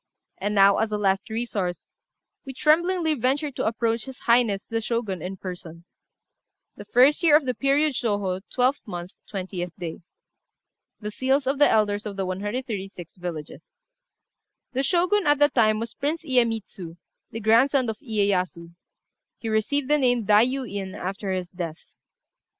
And now, as a last resource, we tremblingly venture to approach his Highness the Shogun in person. "The 1st year of the period Shôhô, 12th month, 20th day. [Illustration: Seal] "The seals of the elders of the 136 villages." The Shogun at that time was Prince Iyémitsu, the grandson of Iyéyasu. He received the name of Dai yu In after his death.